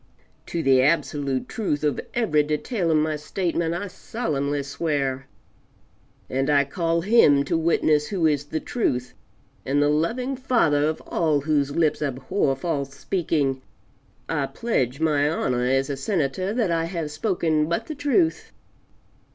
To the absolute truth of every detail of my statement I solemnly swear, and I call Him to witness who is the Truth and the loving Father of all whose lips abhor false speaking; I pledge my honor as a Senator, that I have spoken but the truth.